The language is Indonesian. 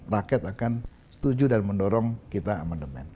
rakyat akan setuju dan mendorong kita amandemen